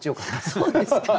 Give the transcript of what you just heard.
そうですか？